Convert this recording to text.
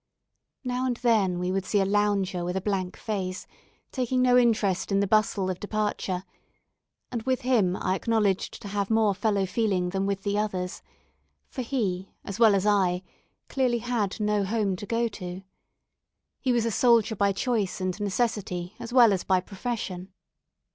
Now and then we would see a lounger with a blank face, taking no interest in the bustle of departure, and with him I acknowledged to have more fellow feeling than with the others, for he, as well as I, clearly had no home to go to. He was a soldier by choice and necessity, as well as by profession.